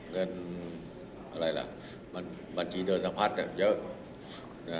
เงินอะไรล่ะบัญชีเดินสะพัดเยอะ